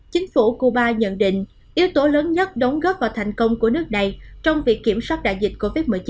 chính phủ cuba nhận định yếu tố lớn nhất đóng góp vào thành công của nước này trong việc kiểm soát đại dịch covid một mươi chín